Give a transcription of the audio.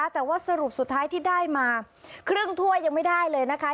แต่ว่าสรุปสุดท้ายที่ได้มาครึ่งถ้วยยังไม่ได้เลยนะคะ